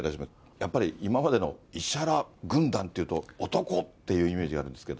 やっぱり、今までの石原軍団っていうと男っていうイメージがあるんですけど。